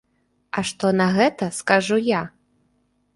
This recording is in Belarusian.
А што на гэта скажу я?